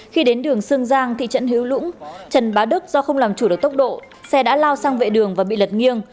khi đến đường sơn giang thị trận hiếu lũng trần bá đức do không làm chủ được tốc độ xe đã lao sang vệ đường và bị lật nghiêng